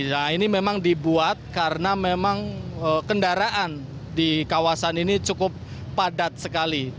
nah ini memang dibuat karena memang kendaraan di kawasan ini cukup padat sekali